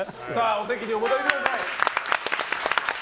お席にお戻りください。